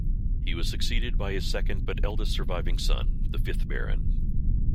He was succeeded by his second but eldest surviving son, the fifth Baron.